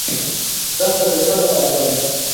دښته بېحده پراخه ده.